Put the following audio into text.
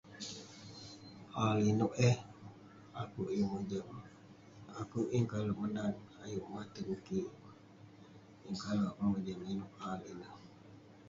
AI inouk eh, akouk yeng mojam. Akouk yeng kale menat ayuk maten kik, yeng kale akouk mojam inouk AI ineh.